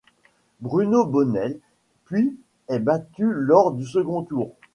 Bruno Bonnell, puis est battue lors du second tour.